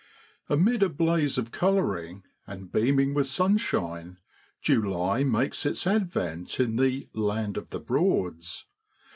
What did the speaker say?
MID a blaze of colouring, and beaming with sunshine, July makes its advent in the 'Land of the Broads.'